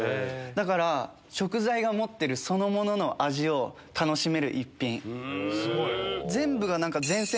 だから食材が持ってるそのものの味を楽しめる一品。